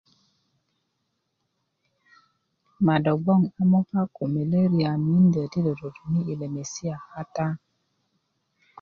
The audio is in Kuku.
ama do gboŋ a moka ko meleriya miindi ti do totoni' yi lemesiya kata